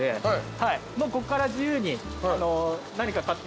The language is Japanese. はい。